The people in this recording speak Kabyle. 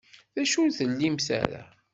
D acu ur tlimt ara?